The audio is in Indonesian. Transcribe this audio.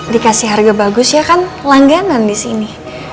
dikasih harga bagus ya kan langganan di sini